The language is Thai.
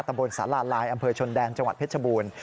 บนสาราลายอำเภอชนแดนจังหวัดเพชรบูรณ์